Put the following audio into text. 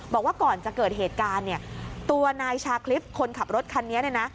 บอกว่าก่อนจะเกิดเหตุการณ์เนี่ยตัวนายชาคริสคนขับรถคันนี้เนี่ยนะ